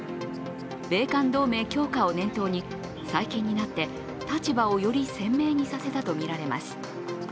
米韓同盟強化を念頭に最近になって立場をより鮮明にさせたとみられます。